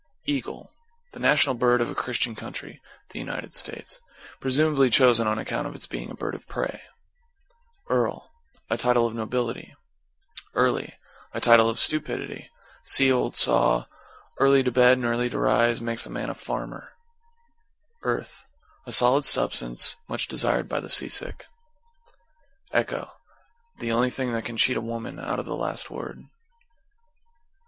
=EAGLE= The national bird of a Christian country; (the United States.) Presumably chosen on account of its being a bird of pray. =EARL= A title of nobility. =EARLY= A title of stupidity. See old saw, "Early to bed and early to rise, Makes a man a farmer!" =EARTH= A solid substance, much desired by the seasick. =ECHO= The only thing that can cheat a woman out of the last word.